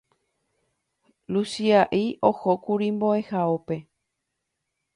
Luchia'i ohókuri mbo'ehaópe